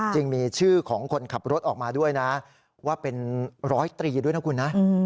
จริงมีชื่อของคนขับรถออกมาด้วยนะว่าเป็นร้อยตรีด้วยนะคุณนะ